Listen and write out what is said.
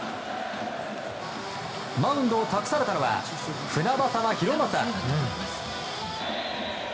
マウンドを託されたのは船迫大雅。